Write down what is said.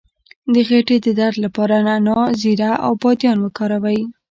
د خیټې د درد لپاره نعناع، زیره او بادیان وکاروئ